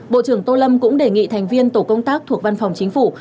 bộ trưởng tô lâm cũng đề nghị thành viên tổ công tác thuộc văn phòng chính phủ